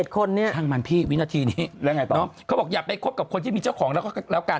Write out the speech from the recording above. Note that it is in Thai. ๑๒๑๗คนนี้ช่างมันพี่วินาทีนี้แล้วไงต่อบอกอย่าไปคบกับคนที่มีเจ้าของแล้วกัน